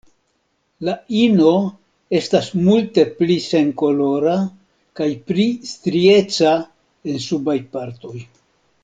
La ino estas multe pli senkolora kaj pli strieca en subaj partoj.